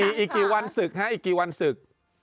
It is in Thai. อีกกี่วันศึกฮะอีกกี่วันศึก